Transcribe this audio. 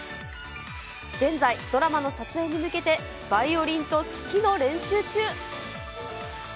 現在、ドラマの撮影に向けてバイオリンと指揮の練習中。